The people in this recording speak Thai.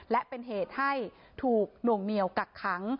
และเป็นเหตุให้ถูกหน่วงเหนียวกักขัง